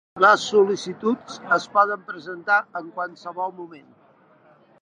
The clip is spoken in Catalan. Les sol·licituds es poden presentar en qualsevol moment.